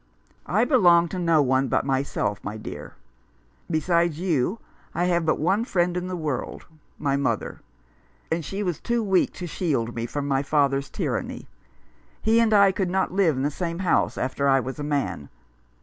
" I belong to no one but myself, my dear. Besides you I have but one friend in the world — my mother — and she was too weak to shield me from my father's tyranny. He and I could not live in the same house after I was a man.